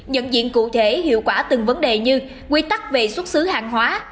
nhận diện cụ thể hiệu quả từng vấn đề như quy tắc về xuất xứ hàng hóa